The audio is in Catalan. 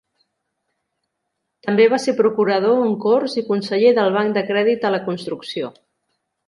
També va ser Procurador en Corts i Conseller del Banc de Crèdit a la Construcció.